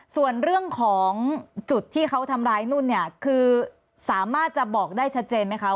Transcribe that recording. ส่วนเรื่องของจุดที่เขาทำร้ายนุ่นเนี่ยคือสามารถจะบอกได้ชัดเจนไหมคะ